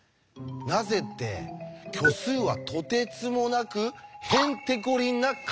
なぜって虚数はとてつもなくへんてこりんな数だからです。